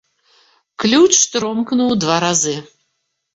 Ключ тромкнуў два разы.